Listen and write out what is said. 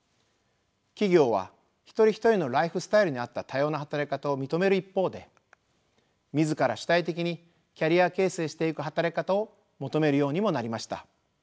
企業は一人一人のライフスタイルに合った多様な働き方を認める一方で自ら主体的にキャリア形成していく働き方を求めるようにもなりました。